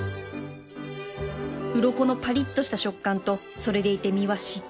うろこのパリッとした食感とそれでいて身はしっとりふわふわ